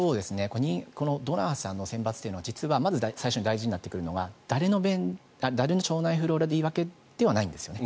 ドナーさんの選抜は実はまず最初に大事になってくるのが誰の腸内フローラでもいいわけではないんですね。